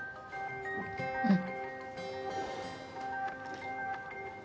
うん。